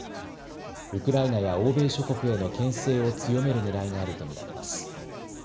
ウクライナや欧米諸国へのけん制を強めるねらいがあると見られます。